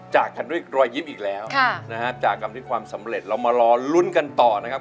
จากกันด้วยรอยยิ้มอีกแล้วนะฮะจากกรรมที่ความสำเร็จเรามารอลุ้นกันต่อนะครับ